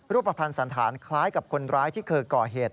รูปภัณฑ์สันธารคล้ายกับคนร้ายที่เคยก่อเหตุ